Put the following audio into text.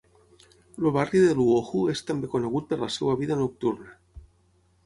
El barri de Luohu és també conegut per la seva vida nocturna.